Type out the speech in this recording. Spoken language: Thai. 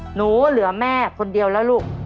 หนูเหลือแม่คนเดียวแล้วลูก